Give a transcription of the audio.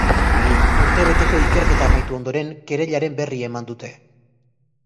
Urtebeteko ikerketa amaitu ondoren kereilaren berri eman dute.